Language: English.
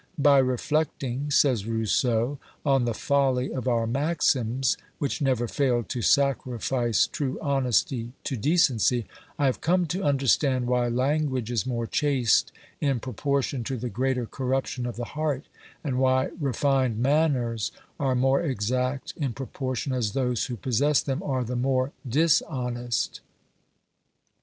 " By reflecting," says Rousseau, " on the folly of our maxims, which never fail to sacrifice true honesty to decency, I have come to under stand why language is more chaste in proportion to the greater corruption of the heart, and why refined manners OBERMANN 223 are more exact in proportion as those who possess them are the more dishonest."